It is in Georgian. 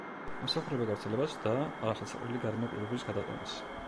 ემსახურება გავრცელებას და არახელსაყრელი გარემო პირობების გადატანას.